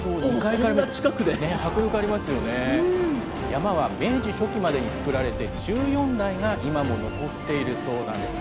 曳山は明治初期までに作られ、１４台が今も残っているそうなんです。